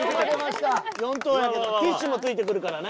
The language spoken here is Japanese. ４等やけどティッシュもついてくるからね。